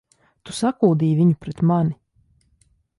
Tu sakūdīji viņu pret mani!